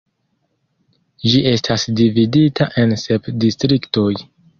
Ĝi estas dividita en sep distriktoj.